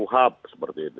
uhap seperti itu